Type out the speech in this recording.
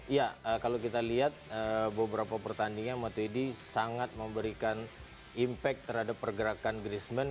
iya kalau kita lihat beberapa pertandingan matuidi sangat memberikan impact terhadap pergerakan griezmann